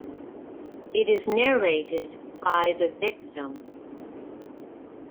It is narrated by the victim.